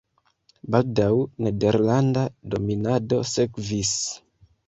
Baldaŭ nederlanda dominado sekvis.